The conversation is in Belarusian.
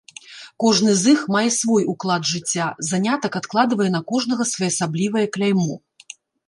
Кожны з іх мае свой уклад жыцця, занятак адкладвае на кожнага своеасаблівае кляймо.